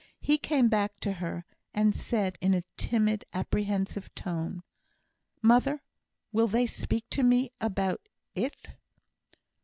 He came back to her, and said in a timid, apprehensive tone: "Mother will they speak to me about it?"